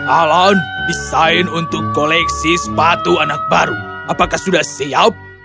alan desain untuk koleksi sepatu anak baru apakah sudah siap